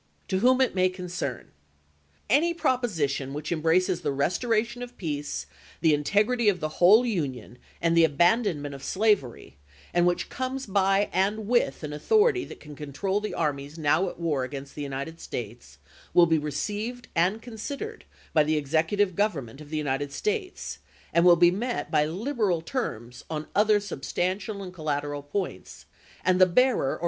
To whom it may concern : Any proposition which embraces the restoration of peace, the integrity of the whole Union, and the abandonment of slavery, and which comes by and with an authority that can control the armies now at war against the United States, will be re AppiltUi^s ceived and considered by the Executive Government of CAmerSana the United States, and will be met by liberal terms on ^ofni7' °ther substantial and collateral points, and the bearer or p.